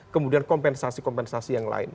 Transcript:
kemudian kompensasi kompensasi yang lain